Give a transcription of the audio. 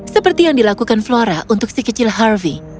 seperti yang dilakukan flora untuk si kecil harvey